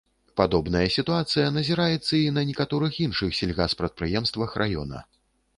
Падобная сітуацыя назіраецца і на некаторых іншых сельгаспрадпрыемствах раёна.